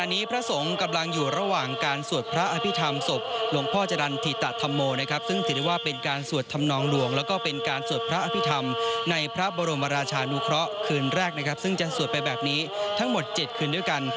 อันนี้พระสงฆ์กำลังอยู่ระหว่างการสวดพระอภิษฐรรมศพหลวงพ่อจรรย์ธิตธรรมโมนะครับซึ่งถือได้ว่าเป็นการสวดธรรมนองหลวงแล้วก็เป็นการสวดพระอภิษฐรรมในพระบรมราชานุเคราะห์คืนแรกนะครับซึ่งจะสวดไปแบบนี้ทั้งหมด๗คืนด้วยกัน